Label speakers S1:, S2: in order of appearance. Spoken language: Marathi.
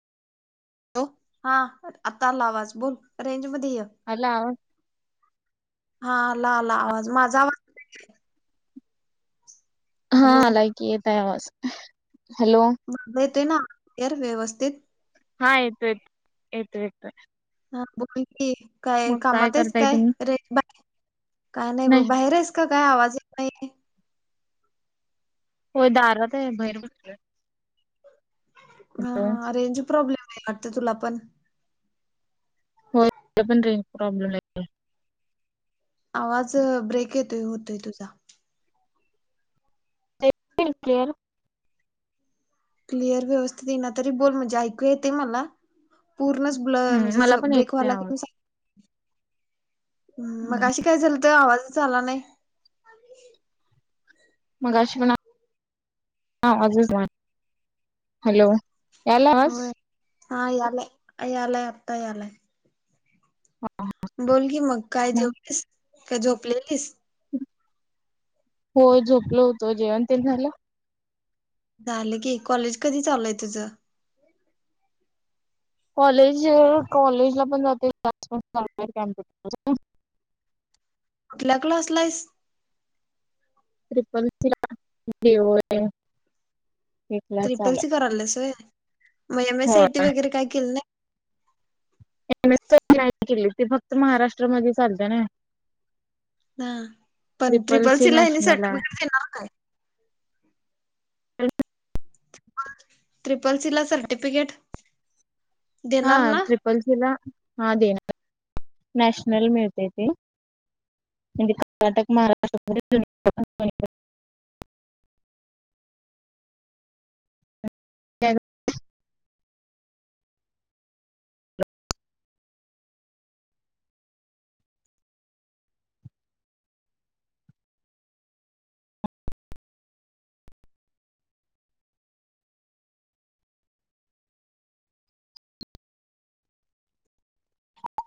S1: हॅलो, हा आत्ता आला आवाज बोल रेंज मध्ये ये.
S2: अला [unintelligible]
S1: हा आला, आला आवाज माझा आ
S2: हा
S1: हॅलो
S2: आलाय की येत आहे आवाज, हॅलो.
S1: माझा येतोय ना [unintelligible] व्यवस्थित.
S2: हा येतोय, येतोय, येतोय.
S1: हा बोल की काय
S2: मग
S1: कामात आहेच
S2: करताय
S1: काय
S2: तुम्ही?
S1: रे बा काय नाही ब बाहेरची? का काय आवाज येत नाही.
S2: होय दारात आहे भाईर बसलिया.
S1: हा, हा रेंज प्रॉब्लेम हाय वाटत तुला पण?
S2: होय इथे पण रे प्रॉब्लेम हाये.
S1: आवाज ब्रेक येतोय होतोय तुझा.
S2: [unintelligible] क्लिअर.
S1: क्लिअर व्यवस्थित ईना, तरी बोल. म्हणजे ऐकू येते मला. पूर्णच् ब्ल
S2: हम्म
S1: म्हणजे
S2: मला
S1: असं
S2: पण
S1: ब्रेक
S2: येतोय
S1: व्हाला
S2: आवाज
S1: की, सांग हम्. मगाशी काय झालतं. आवाजच आला नाही.
S2: मगाशी पण आवाजच नाही. हॅलो. याला आवाज.
S1: होय हा, यालाय. यालाय, आता यालाय. बोल की मग. काय जेवलीस? का झोपलेलीस?
S2: होय. झोपलो होतो. जेवण ते न झालं.
S1: झालं की. कॉलेज कधी चालूय, तुझं?
S2: कॉलेज, कॉलेजला पण जाते [unintelligible]
S1: कुठल्या, क्लासलायस?
S2: [unintelligible] एक क्लास
S1: त्रिपल
S2: आलाय.
S1: सी करायलास होय. मग M S C I T
S2: होय.
S1: वगैरे काय केलं नाही.
S2: [unintelligible] नाही केली. ती फक्त महाराष्ट्रामध्ये चालते ना.
S1: ह. पण ट्रिपल
S2: सी
S1: सीला ह्यांनी,
S2: नॅशनल आहे
S1: सर्टिफिकेट देणार काय? ट्रिपल सीला सर्टिफिकेट
S2: हा
S1: देणार ना
S2: ट्रिपल सीला, हा देणार. नॅशनल मिळतय ते. म्हणजे कर्नाटक, महाराष्ट्र [unintelligible] [unintelligible]